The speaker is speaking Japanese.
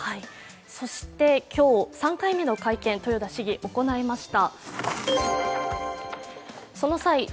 そして今日、３回目の会見豊田市議、行いました。